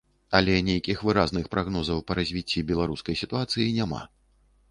Але нейкіх выразных прагнозаў па развіцці беларускай сітуацыі няма.